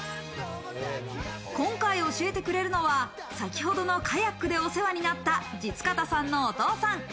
今回、教えてくれるのは先ほどのカヤックでお世話になった実形さんのお父さん。